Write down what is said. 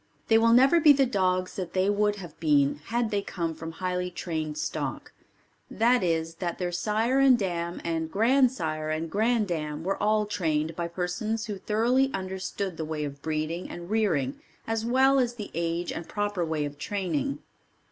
They will never be the dogs that they would have been had they come from highly trained stock, that is that their sire and dam and grand sire and grand dam were all trained by persons who thoroughly understood the way of breeding and rearing as well as the age and proper way of training.